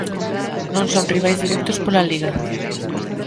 Non son rivais directos pola Liga.